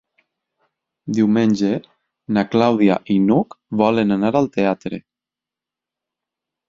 Diumenge na Clàudia i n'Hug volen anar al teatre.